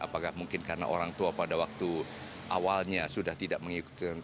apakah mungkin karena orang tua pada waktu awalnya sudah tidak mengikuti